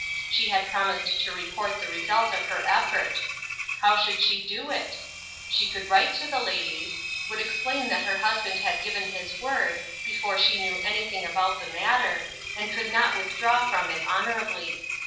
She had promised to report the result of her effort. How should she do it ? She would write to the ladies ; would explain that her husband had given his word, before she knew anything about the mat ter, and could not withdraw from it honorably.